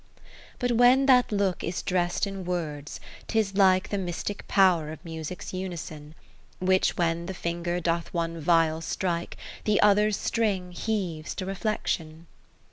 XVIII But when that look is drest in words, 'tis like The mystic pow'r of music's unison ; 70 Which when the finger doth one viol strike, The other's string heaves to reflection.